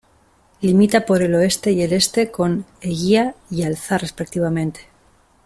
Limita por el oeste y el este con Eguía y Alza, respectivamente.